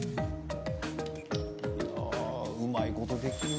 あうまいことできるな。